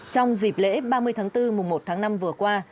trong dịp lễ ba mươi tháng bốn mùa một tháng năm vừa qua